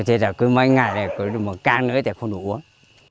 thế là mấy ngày là một can nữa thì không đủ uống